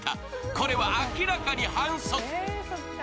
これは明らかに反則。